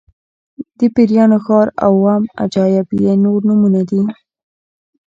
د پیریانو ښار او اووم عجایب یې نور نومونه دي.